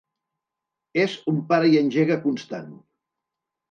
És un para-i-engega constant.